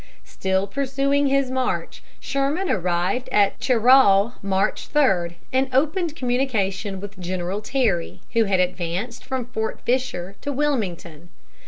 Still pursuing his march, Sherman arrived at Cheraw March 3, and opened communication with General Terry, who had advanced from Fort Fisher to Wilmington.